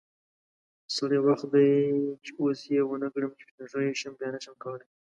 سری وخت دی چی اوس یی ونکړم چی سپین ږیری شم بیا نشم کولی